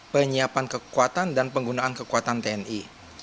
penyiapan kekuatan dan penggunaan kekuatan tni